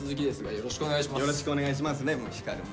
よろしくお願いしますね照も。